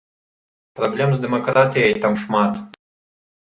Праблем з дэмакратыяй там шмат.